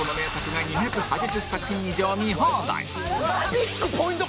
ビックポイント